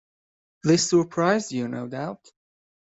This surprised you, no doubt?